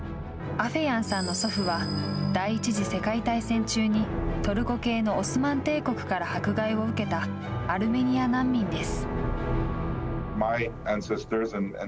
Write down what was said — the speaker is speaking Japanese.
アフェヤンさんの祖父は、第１次世界大戦中に、トルコ系のオスマン帝国から迫害を受けたアルメニア難民です。